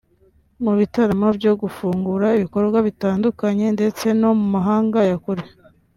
mu bitaramo byo gufungura ibikorwa bitandukanye ndetse no mu mahanga ya kure